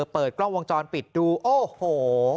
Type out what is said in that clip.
เปิดกล้องวงจรปิดดูโอ้โห